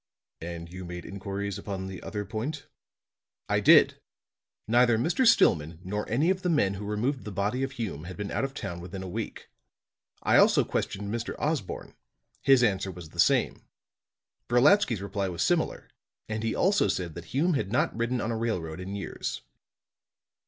"And you made inquiries upon the other point?" "I did. Neither Mr. Stillman nor any of the men who removed the body of Hume have been out of town within a week. I also questioned Mr. Osborne; his answer was the same. Brolatsky's reply was similar; and he also said that Hume had not ridden on a railroad in years."